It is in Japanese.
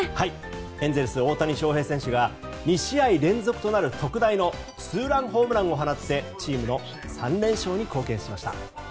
エンゼルス大谷翔平選手が２試合連続となる特大のツーランホームランを放ってチームの３連勝に貢献しました。